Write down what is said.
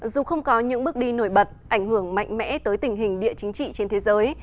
dù không có những bước đi nổi bật ảnh hưởng mạnh mẽ tới tình hình địa chính trị trên thế giới